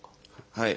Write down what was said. はい。